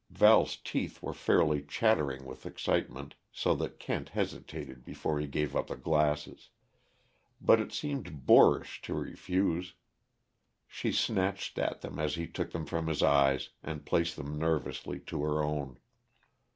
_" Val's teeth were fairly chattering with excitement, so that Kent hesitated before he gave up the glasses. But it seemed boorish to refuse. She snatched at them as he took them from his eyes, and placed them nervously to her own.